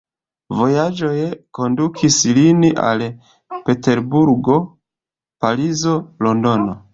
Vojaĝoj kondukis lin al Peterburgo, Parizo, Londono.